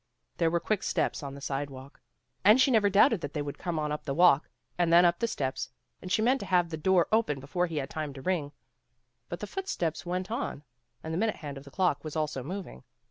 There were quick steps on the side walk, 176 PEGGY RAYMOND'S WAY and she never doubted that they would come on up the walk, and then up the steps, and she meant to have the door open before he had time to ring. But the footsteps went on and the minute hand of the clock was also moving.